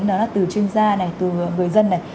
đó là từ chuyên gia này từ người dân này